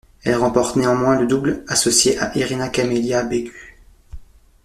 Elle remporte néanmoins le double, associée à Irina-Camelia Begu.